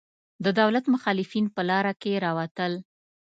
د دولت مخالفین په لاره کې راوتل.